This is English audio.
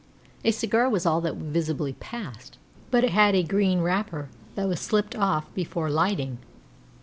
A cigar was all that visibly passed, but it had a green wrapper that was slipped off before lighting.